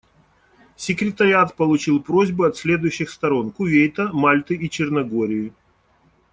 Секретариат получил просьбы от следующих сторон: Кувейта, Мальты и Черногории.